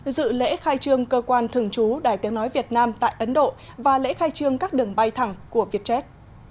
dự lễ khai trương cơ quan thường trú đài tiếng nói việt nam tại ấn độ và lễ khai trương các đường bay thẳng của vietjet